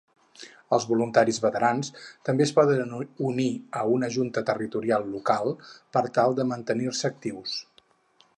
Els voluntaris veterans també es poden unir a una junta territorial local per tal de mantenir-se actius.